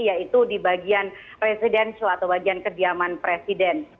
yaitu di bagian residential atau bagian kediaman presiden